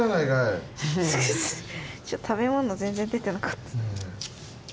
食べ物全然出てなかった。